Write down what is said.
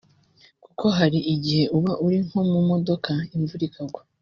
Kuko hari igihe uba uri nko mu modoka imvura igwa